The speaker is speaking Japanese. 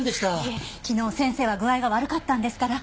いえ昨日先生は具合が悪かったんですから。